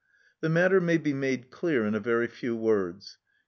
The matter may be made clear in a very few words.